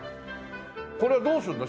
これどうするの？